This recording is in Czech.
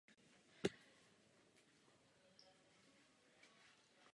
Chata je užívána pro turistické a rekreační účely ale také jako výhodný telekomunikační objekt.